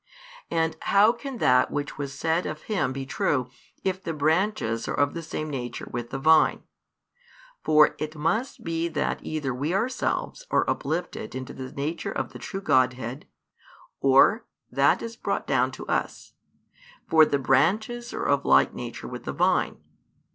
And how can that which was said of Him be true, if the branches are of the same nature with the vine? For it must be that either we ourselves are uplifted into the nature of the true Godhead, or that is brought down to |375 us. For the branches are of like nature with the vine.